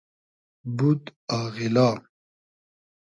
بود آغیلا